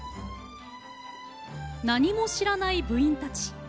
何も知らない部員たち。